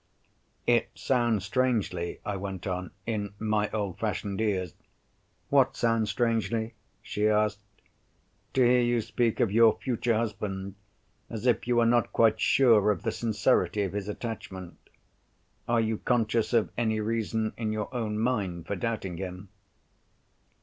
"It sounds strangely," I went on, "in my old fashioned ears——" "What sounds strangely?" she asked. "To hear you speak of your future husband as if you were not quite sure of the sincerity of his attachment. Are you conscious of any reason in your own mind for doubting him?"